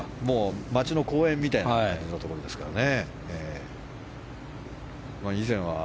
町の公園みたいな感じのところですからね。